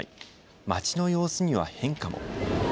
街の様子には変化も。